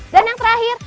dan yang terakhir